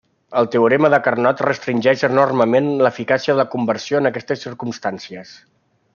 El teorema de Carnot restringeix enormement l'eficàcia de la conversió en aquestes circumstàncies.